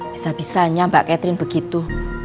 bisa bisanya mbak catherine begitu